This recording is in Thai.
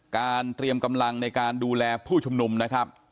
เตรียมกำลังในการดูแลผู้ชุมนุมนะครับ